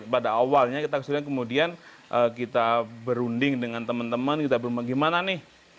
pada awalnya kita kemudian kita berunding dengan teman teman kita gimana nih